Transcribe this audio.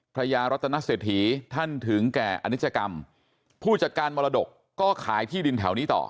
พระยารัตนเศรษฐีท่านถึงแก่อนิจกรรมผู้จัดการมรดกก็ขายที่ดินแถวนี้ต่อ